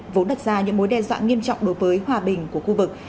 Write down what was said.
vốn đặt ra những mối đe dọa nghiêm trọng đối với hòa bình của khu vực